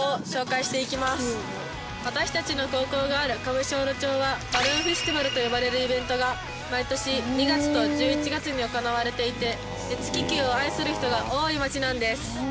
私達の高校がある上士幌町はバルーンフェスティバルと呼ばれるイベントが毎年２月と１１月に行われていて熱気球を愛する人が多い町なんです！